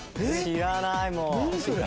知らないもう。